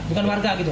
bukan warga gitu